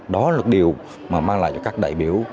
đó là điều mà mang lại cho các đại biểu